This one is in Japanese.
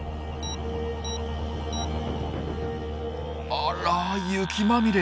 あら雪まみれ。